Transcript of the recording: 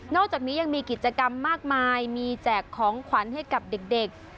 อกจากนี้ยังมีกิจกรรมมากมายมีแจกของขวัญให้กับเด็ก